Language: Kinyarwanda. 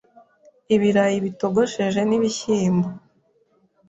ibirayi bitogosheje n’ibishyimbo,